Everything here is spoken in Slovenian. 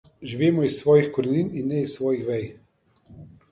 Živimo iz svojih korenin in ne iz svojih vej.